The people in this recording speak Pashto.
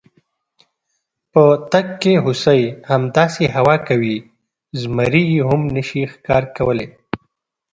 په تګ کې هوسۍ، همداسې هوا کوي، زمري یې هم نشي ښکار کولی.